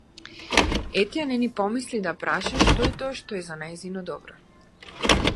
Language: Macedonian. Етја не ни помисли да праша што е тоа што е за нејзино добро.